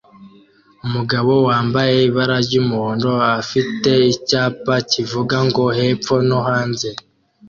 Umugabo wambaye ibara ry'umuhondo afite icyapa kivuga ngo "hepfo no hanze"